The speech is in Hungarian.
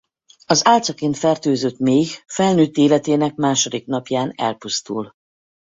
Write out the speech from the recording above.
Az álcaként fertőzött méh felnőtt életének második napján elpusztul.